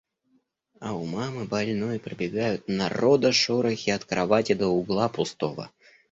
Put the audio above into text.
А у мамы больной пробегают народа шорохи от кровати до угла пустого.